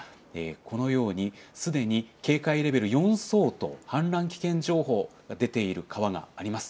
このようにすでに警戒レベル４相当、氾濫危険情報が出ている川があります。